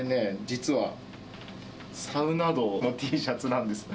実はサウナ道のＴシャツなんです。